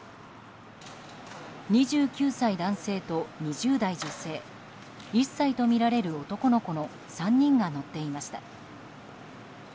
２９歳男性と２０代女性１歳とみられる男の子の３人が乗っていました。